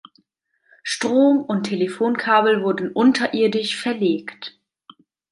Strom- und Telefonkabel wurden unterirdisch verlegt.